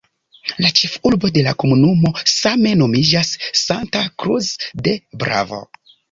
La ĉefurbo de la komunumo same nomiĝas "Santa Cruz de Bravo".